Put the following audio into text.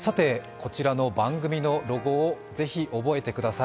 こちらの番組のロゴをぜひ覚えてください。